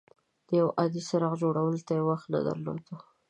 د یو عادي څراغ جوړولو ته یې وخت نه درلود.